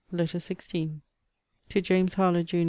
LETTER XVI TO JAMES HARLOWE, JUN.